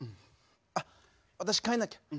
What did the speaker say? あ私帰んなきゃ。